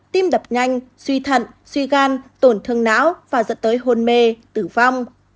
tim đập nhanh suy thận suy gan tổn thương não và dẫn tới hôn mê tử vong